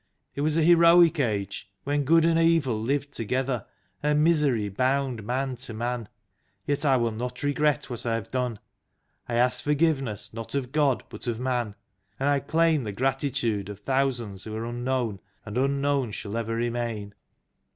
It was a heroic age, when good and evil lived together, and misery bound man to man. Yet I will not regret what I have done. I ask forgiveness not of God, but of Man; and I claim the gratitude of thousands who are unknown, and un known shall ever remain.